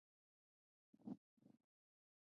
بيا د هغې مسئلې ښکار وي